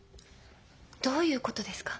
どういうことですか？